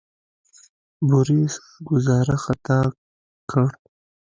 بوریس ګوزاره خطا کړه.